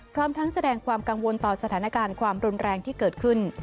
พร้อมทั้งแสดงความกังวลต่อสถานการณ์ความรุนแรงที่เกิดขึ้น